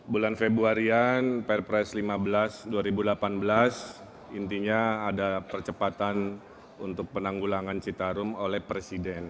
bulan februarian perpres lima belas dua ribu delapan belas intinya ada percepatan untuk penanggulangan citarum oleh presiden